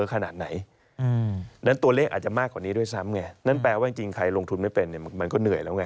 ขนาดไหนนั้นตัวเลขอาจจะมากกว่านี้ด้วยซ้ำไงนั่นแปลว่าจริงใครลงทุนไม่เป็นเนี่ยมันก็เหนื่อยแล้วไง